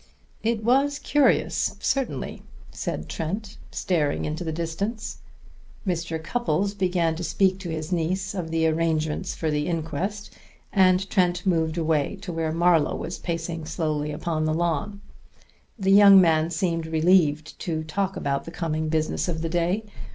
"It was curious, certainly," said Trent, staring into the distance. Mr. Cupples began to speak to his niece of the arrangements for the inquest, and Trent moved away to where Marlowe was pacing slowly upon the lawn. The young man seemed relieved to talk about the coming business of the day.